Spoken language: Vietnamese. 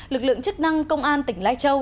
lực lượng chức năng công an tỉnh lai châu